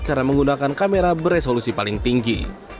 karena menggunakan kamera beresolusi paling tinggi